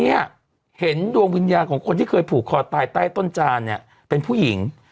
เนี่ยเห็นดวงวิญญาณของคนที่เคยผูกคอตายใต้ต้นจานเนี่ยเป็นผู้หญิง